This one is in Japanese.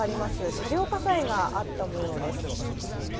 車両火災があった模様です。